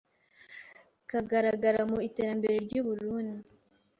kagaragara mu iterambere ry’u Burunndi